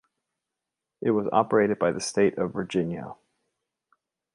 It was operated by the State of Virginia.